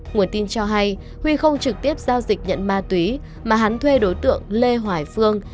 nguồn tin cho hay huy không trực tiếp giao dịch nhận ma túy mà hắn thuê đối tượng lê hoài phương